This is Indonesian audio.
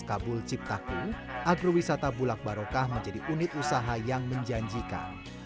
kabul ciptaku agrowisata bulak barokah menjadi unit usaha yang menjanjikan